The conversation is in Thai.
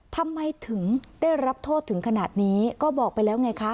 ทำไมถึงได้รับโทษถึงขนาดนี้ก็บอกไปแล้วไงคะ